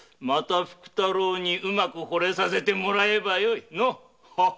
福太郎にまたうまくほれさせてもらえばよい。